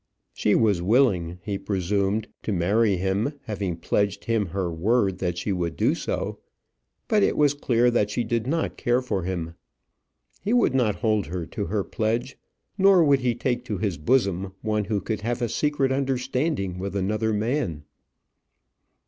She was willing, he presumed, to marry him, having pledged him her word that she would do so; but it was clear that she did not care for him. He would not hold her to her pledge; nor would he take to his bosom one who could have a secret understanding with another man.